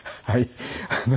はい。